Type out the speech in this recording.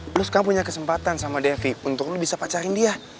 terus kamu punya kesempatan sama devi untuk lo bisa pacarin dia